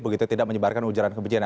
begitu tidak menyebarkan ujaran kebencian